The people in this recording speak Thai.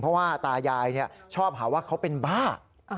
เพราะว่าตายายชอบหาว่าเขาเป็นบ้า